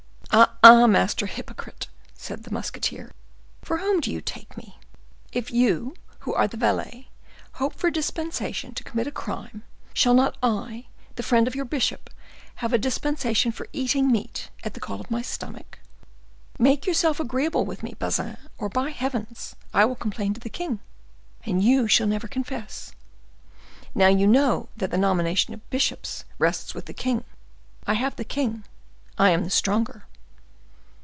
"Ah, ah, master hypocrite!" said the musketeer, "for whom do you take me? If you, who are the valet, hope for dispensation to commit a crime, shall not I, the friend of your bishop, have dispensation for eating meat at the call of my stomach? Make yourself agreeable with me, Bazin, or by heavens! I will complain to the king, and you shall never confess. Now you know that the nomination of bishops rests with the king,—I have the king, I am the stronger."